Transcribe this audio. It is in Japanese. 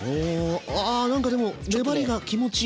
お何かでも粘りが気持ち。